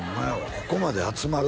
ここまで集まる？